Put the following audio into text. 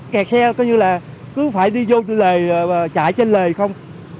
kẹt xe coi như là cứ phải đi vô lề chạy trên lề không